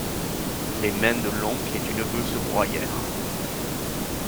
Les mains de l'oncle et du neveu se broyèrent.